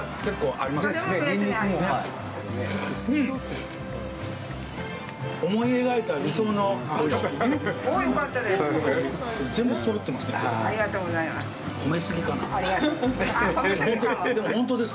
ありがとうございます。